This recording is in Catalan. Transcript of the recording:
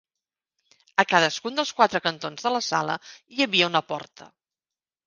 A cadascun dels quatre cantons de la sala hi havia una porta.